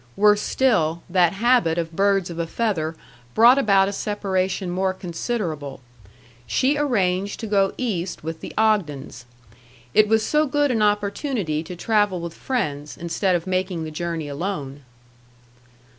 Worse still, that habit of birds of a feather brought about a separation more considerable. She arranged to go East with the Ogdens. It was so good an opportunity to travel with friends, instead of making the journey alone!